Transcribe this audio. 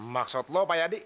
maksud lo pak yadi